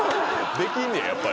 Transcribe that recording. できんねややっぱり。